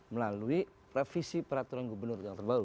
melalui revisi peraturan gubernur yang terbaru